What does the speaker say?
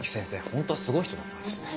本当はすごい人だったんですね。